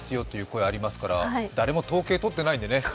声ありますから誰も統計取ってないのでね。